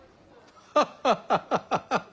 ハハハハハハハ。